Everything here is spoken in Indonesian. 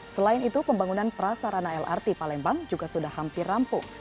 selain itu pembangunan prasarana lrt palembang juga sudah hampir rampung